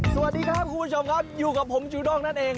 สวัสดีครับคุณผู้ชมครับอยู่กับผมจูด้งนั่นเอง